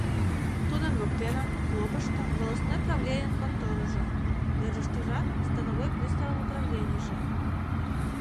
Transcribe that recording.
Тудын воктенак, лопышто, волостной правленийын конторыжо да ӧрдыжтырак становой приставын управленийже.